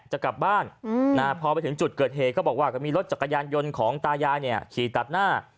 จะกลับบ้านพอไปถึงจุดเกิดเหตุก็บอกว่าก็มีรถจักรยานยนต์ของตายายเนี่ยขี่ตัดหน้า